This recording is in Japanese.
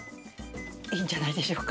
いいんじゃないでしょうか。